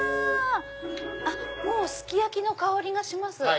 もうすき焼きの香りがします。